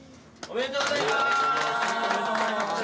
ありがとうございます。